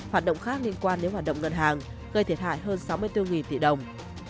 hoạt động khác liên quan đến hoạt động ngân hàng gây thiệt hại hơn sáu mươi bốn tỷ đồng